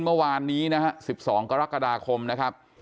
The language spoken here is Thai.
เมื่อวานนี้นะฮะ๑๒กรกฎาคมนะครับ